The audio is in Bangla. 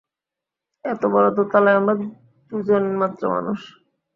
এত বড় দোতলায় আমরা দুজনমাত্র মানুষ।